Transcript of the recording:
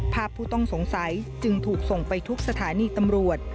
ผู้ต้องสงสัยจึงถูกส่งไปทุกสถานีตำรวจ